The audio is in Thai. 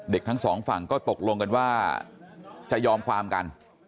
ทั้งสองฝั่งก็ตกลงกันว่าจะยอมความกัน